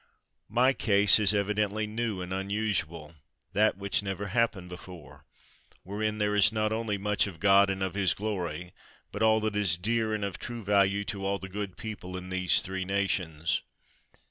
My case is evidently new and unusual, that which never happened before; wherein there is not only much of God and of His glory, but all that is dear and of true value to all the good people in these three nations.